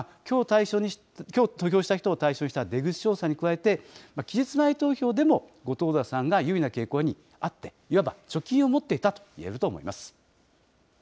きょう投票した人を対象にした出口調査に加えて、期日前投票でも後藤田さんが優位な傾向にあって、いわば貯金を持っていたといえると思います。